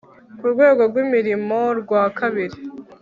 ku rwego rw imirimo rwa kabiri